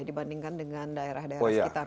dibandingkan dengan daerah daerah sekitar